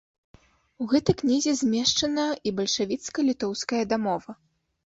У гэтай кнізе змешчана і бальшавіцка-літоўская дамова.